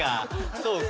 そうか。